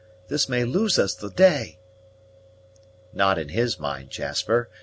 This may lose us the day." "Not in his mind, Jasper.